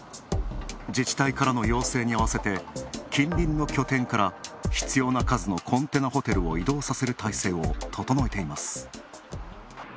自治体からの要請に合わせて近隣の拠点から必要な数のコンテナホテルを移動させる体制を整えています。